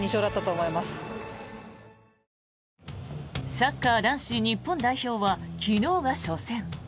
サッカー男子日本代表は昨日が初戦。